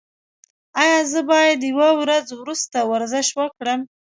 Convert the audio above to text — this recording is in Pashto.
ایا زه باید یوه ورځ وروسته ورزش وکړم؟